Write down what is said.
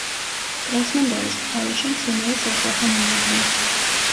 კრასნოდარის მხარეში მცენარეს ახლახან მიაგნეს.